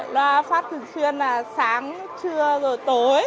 loa phát thường xuyên sáng trưa rồi tối